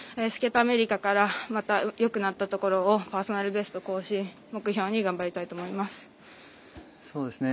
アメリカからまたよくなったところをパーソナルベスト更新を頑張りたいと思います。